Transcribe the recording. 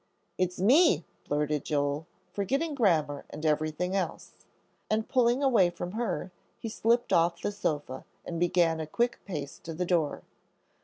"It's me," blurted Joel, forgetting grammar and everything else, and pulling away from her, he slipped off the sofa and began a quick pace to the door.